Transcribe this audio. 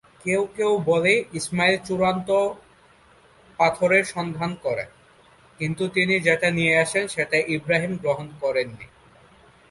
কেউ কেউ বলে ইসমাইল চূড়ান্ত পাথরের সন্ধান করেন, কিন্তু তিনি যেটা নিয়ে আসেন সেটা ইব্রাহিম গ্রহণ করেননি।